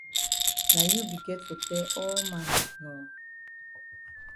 Na you be get for tell all man nor.